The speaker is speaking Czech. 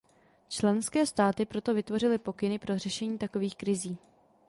Členské státy proto vytvořily pokyny pro řešení takových krizí.